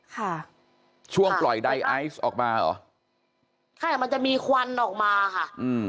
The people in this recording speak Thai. ค่ะช่วงปล่อยไดไอซ์ออกมาเหรอใช่ค่ะมันจะมีควันออกมาค่ะอืม